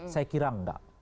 saya kira enggak